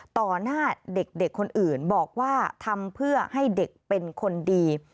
หน้าเด็กคนอื่นบอกว่าทำเพื่อให้เด็กเป็นคนดี